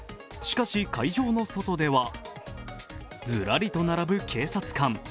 しかし、会場の外ではズラリと並ぶ警察官。